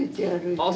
ああ